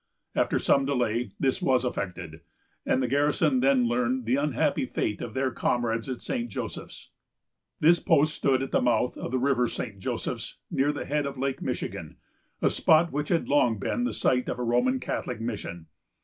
After some delay, this was effected; and the garrison then learned the unhappy fate of their comrades at St. Joseph's. This post stood at the mouth of the River St. Joseph's, near the head of Lake Michigan, a spot which had long been the site of a Roman Catholic mission.